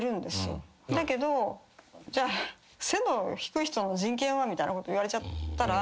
だけどじゃあ背の低い人の人権は？みたいなこと言われちゃったら。